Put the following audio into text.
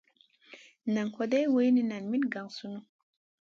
Nan hoday wilin yoh? Nen min gang sunu.